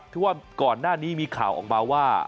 ที่ว่าก่อนหน้านี้มีข่าวออกมาว่า